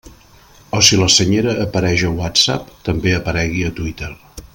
O si la Senyera apareix a WhatsApp, també aparegui a Twitter.